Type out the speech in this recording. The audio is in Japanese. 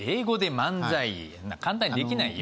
簡単にできないよ